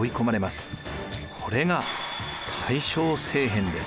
これが大正政変です。